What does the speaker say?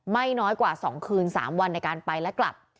ไม่น้อยกว่า๒คืน๓วันในการไปและกลับ